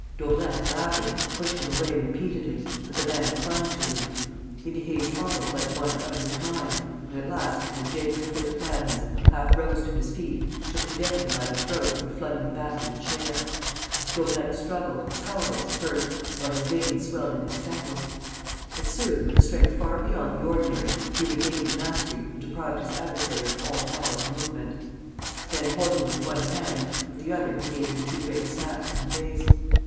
Daubrecq, laughing, pushed him away repeatedly, but the man clung to him. He behaved almost like one out of his mind and, at last, in a genuine fit of madness, half rose to his feet, took the deputy by the throat and flung him back in a chair. Daubrecq struggled, powerless at first, while his veins swelled in his temples. But soon, with a strength far beyond the ordinary, he regained the mastery and deprived his adversary of all power of movement. Then, holding him with one hand, with the other he gave him two great smacks in the face.